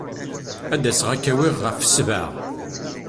Ad d-aseɣ ad k-awiɣ ɣef sebɛa.